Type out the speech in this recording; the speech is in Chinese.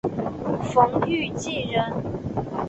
冯誉骥人。